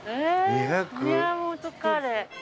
宮本カレー